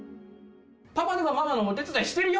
パパとかママのお手伝いしてるよって子？